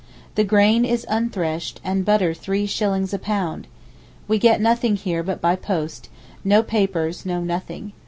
The grain is unthreshed, and butter three shillings a pound! We get nothing here but by post; no papers, no nothing.